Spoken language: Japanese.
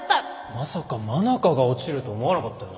まさか真中が落ちるとは思わなかったよな